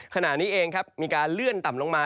ขณะนี้เองครับมีการเลื่อนต่ำลงมา